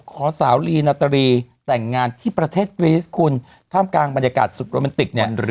ขอสาวลีนาตรีแต่งงานที่ประเทศกรีสคุณท่ามกลางบรรยากาศสุดโรแมนติกเนี่ย